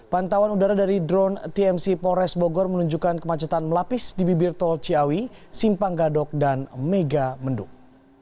pantauan udara dari drone tmc polres bogor menunjukkan kemacetan melapis di bibir tol ciawi simpang gadok dan mega mendung